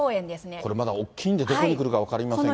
これまだ大きいんで、どこに来るか分かりませんけれども。